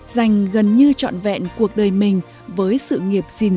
dành gần như trọn vẹn cuộc đời mình với sự nghiệp dình